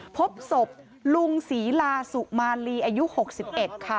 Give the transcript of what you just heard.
พบศพลุงศรีลาสุมาลีอายุหกสิบเอ็ดค่ะ